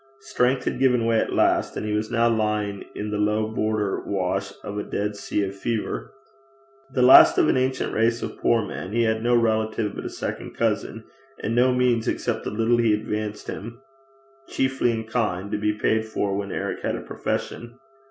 Strength had given way at last, and he was now lying in the low border wash of a dead sea of fever. The last of an ancient race of poor men, he had no relative but a second cousin, and no means except the little he advanced him, chiefly in kind, to be paid for when Eric had a profession.